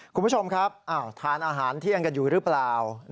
คุณผู้ชมครับทานอาหารเที่ยงกันอยู่หรือเปล่า